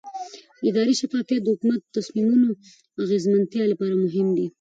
اداري شفافیت د حکومت د تصمیمونو د اغیزمنتیا لپاره مهم دی